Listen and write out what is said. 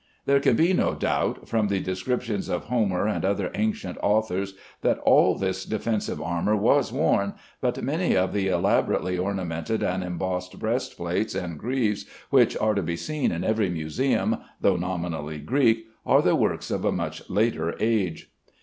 There can be no doubt, from the descriptions of Homer and other ancient authors, that all this defensive armor was worn, but many of the elaborately ornamented and embossed breast plates and greaves which are to be seen in every museum (though nominally Greek) are the works of a much later age.